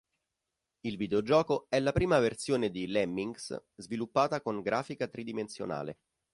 Il videogioco è la prima versione di "Lemmings" sviluppata con grafica tridimensionale.